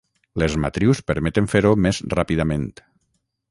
Les matrius permeten fer-ho més ràpidament.